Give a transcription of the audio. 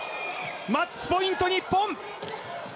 マッチポイント、日本！